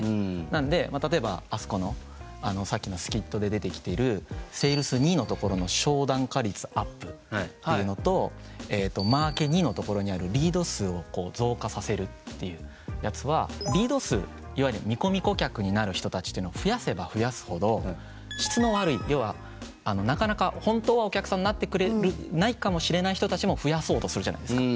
なんで例えばあそこのさっきのスキットで出てきてるセールスⅡのところの商談化率アップっていうのとえっとマーケⅡのところにあるリード数を増加させるっていうやつはリード数いわゆる見込み顧客になる人たちっていうのを増やせば増やすほど質の悪い要はなかなか本当はお客さんになってくれないかもしれない人たちも増やそうとするじゃないですか。